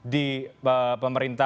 kira apa pohonnya